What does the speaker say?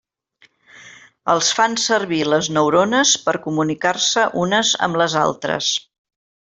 Els fan servir les neurones per comunicar-se unes amb les altres.